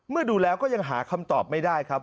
ดูแล้วก็ยังหาคำตอบไม่ได้ครับ